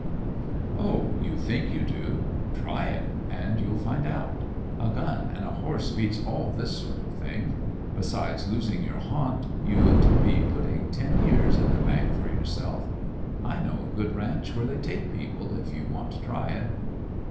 "Oh, you think you do. Try it, and you'll find out. A gun and a horse beats all this sort of thing. Besides losing your haunt, you'd be putting ten years in the bank for yourself. I know a good ranch where they take people, if you want to try it."